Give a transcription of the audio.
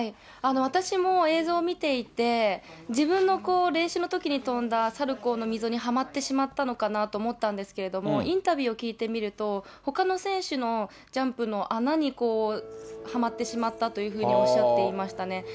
私も映像見ていて、自分の練習のときに跳んだサルコーの溝にはまってしまったのかなと思ったんですけれども、インタビューを聞いてみると、ほかの選手のジャンプの穴に、こう、はまってしまったというふうにおっしゃっていましたね。